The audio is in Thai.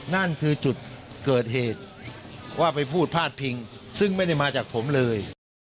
นั่นคือจุดเกิดเหตุว่าไปพูดพาดพิงซึ่งไม่ได้มาจากผมเลย